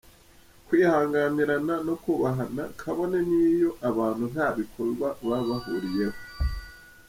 -Kwihanganirana no kubahana kabone n’iyo abantu nta bikorwa baba bahuriyeho.